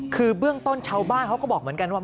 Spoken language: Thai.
คือเบื้องต้นชาวบ้านเขาก็บอกเหมือนกันว่า